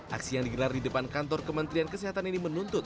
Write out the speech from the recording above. aksi yang digelar di depan kantor kementerian kesehatan ini menuntut